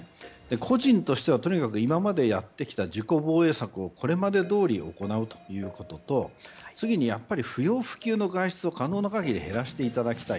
個人としてはとにかく今までやってきた自己防衛策をこれまでどおり行うということと次に、不要不急の外出を可能な限り減らしていただきたい。